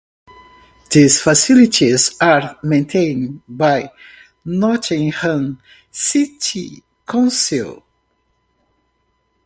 These facilities are maintained by Nottingham City Council.